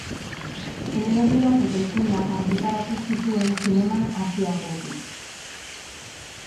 Eleberriak eta ipuinak argitaratu zituen zineman hasi aurretik.